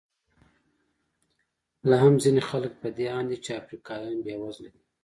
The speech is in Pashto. لا هم ځینې خلک په دې اند دي چې افریقایان بېوزله دي.